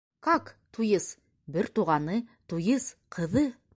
Как, туйыс, бер туғаны, туйыс, ҡыҙы?